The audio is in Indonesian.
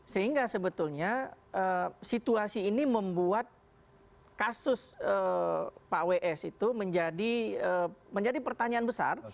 sehingga sebetulnya situasi ini membuat kasus pak ws itu menjadi pertanyaan besar